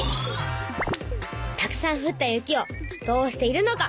たくさんふった雪をどうしているのか。